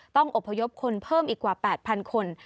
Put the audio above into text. อบพยพคนเพิ่มอีกกว่า๘๐๐คน